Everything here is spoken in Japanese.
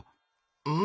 うん？